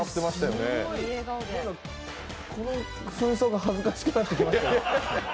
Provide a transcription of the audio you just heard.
このふん装が恥ずかしくなってきますね。